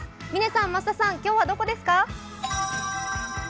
嶺さん、増田さん、今日はどこですか？